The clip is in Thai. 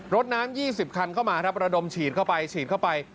รถน้ำ๒๐คันเข้ามาครับระดมฉีดเข้าไปฉีดเข้าไป